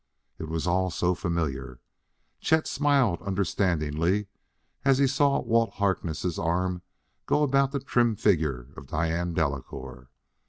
It was all so familiar.... Chet smiled understandingly as he saw Walt Harkness' arm go about the trim figure of Diane Delacouer.